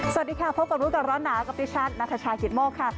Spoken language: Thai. สวัสดีค่ะพบกับรู้ก่อนร้อนหนาวกับดิฉันนัทชายกิตโมกค่ะ